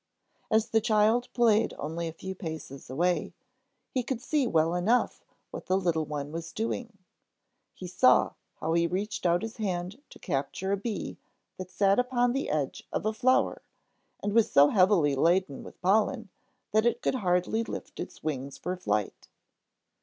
As the child played only a few paces away, he could see well enough what the little one was doing. He saw how he reached out his hand to capture a bee that sat upon the edge of a flower and was so heavily laden with pollen that it could hardly lift its wings for flight.